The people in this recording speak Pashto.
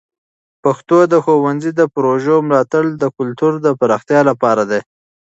پښتو د ښونځي د پروژو ملاتړ د کلتور د پراختیا لپاره ده.